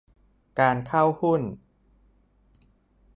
การเข้าหุ้น